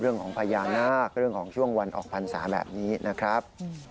เรื่องของพญานาคเรื่องของช่วงวันออกพรรษาแบบนี้นะครับ